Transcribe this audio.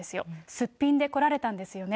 すっぴんで来られたんですよね。